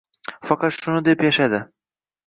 Faqat shuni deb yashadi